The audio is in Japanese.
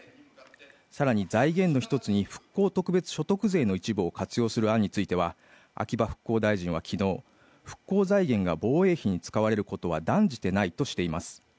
さらに財源の一つに復興特別所得税の一部を活用する案については秋葉復興大臣はきのう復興財源が防衛費に使われることは断じてないとしています